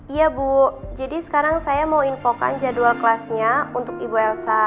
iya bu jadi sekarang saya mau infokan jadwal kelasnya untuk ibu elsa